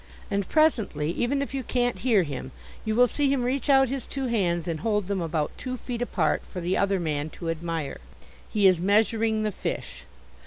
And presently, even if you can't hear him, you will see him reach out his two hands and hold them about two feet apart for the other man to admire. He is measuring the fish.